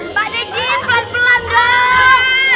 pak deji pelan pelan dong